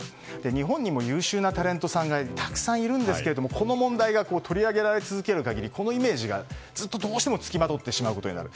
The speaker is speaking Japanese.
日本にも優秀なタレントさんがたくさんいるんですがこの問題が取り上げ続ける限りこのイメージが、ずっと付きまとってしまうことになる。